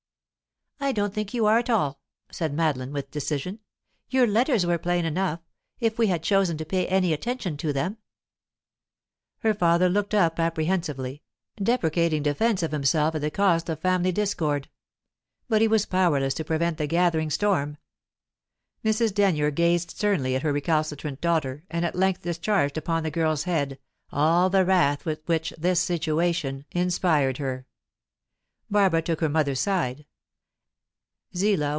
"I don't think you are at all," said Madeline, with decision. "Your letters were plain enough, if we had chosen to pay any attention to them." Her father looked up apprehensively, deprecating defence of himself at the cost of family discord. But he was powerless to prevent the gathering storm. Mrs. Denyer gazed sternly at her recalcitrant daughter, and at length discharged upon the girl's head all the wrath with which this situation inspired her. Barbara took her mother's side.